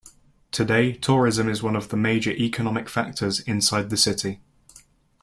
Today, tourism is one of the major economic factors inside the city.